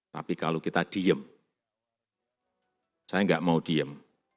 tapi kalau kita diem saya nggak mau diem